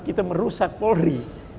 kita merusak polri